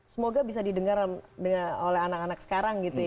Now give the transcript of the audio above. semoga bisa didengar oleh anak anak sekarang gitu ya